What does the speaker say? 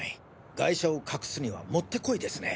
ガイシャを隠すにはもってこいですね。